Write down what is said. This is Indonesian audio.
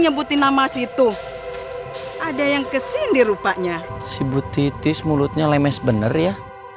nyebutin nama situ ada yang kesini rupanya si bu titis mulutnya lemes bener ya